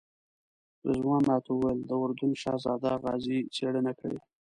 رضوان راته وویل د اردن شهزاده غازي څېړنه کړې.